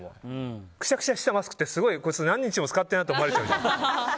くしゃくしゃしたマスクってこいつ何日も使ってるなって思われちゃうじゃん。